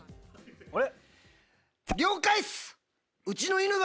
あれ？